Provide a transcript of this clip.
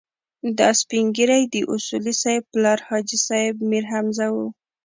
دا سپين ږيری د اصولي صیب پلار حاجي صیب میرحمزه و.